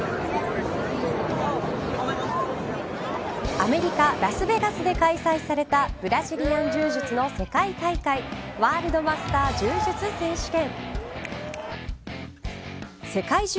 アメリカ・ラスベガスで開催されたブラジリアン柔術の世界大会ワールドマスター柔術選手権。